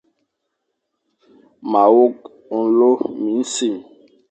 Ma wok nlô minsim.